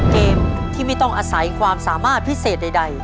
เกมที่ไม่ต้องอาศัยความสามารถพิเศษใด